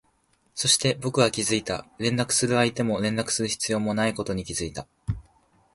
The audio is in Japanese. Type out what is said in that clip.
そして、僕は気づいた、連絡する相手も連絡する必要もないことに気づいた